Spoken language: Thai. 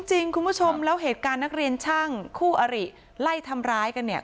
คุณผู้ชมแล้วเหตุการณ์นักเรียนช่างคู่อริไล่ทำร้ายกันเนี่ย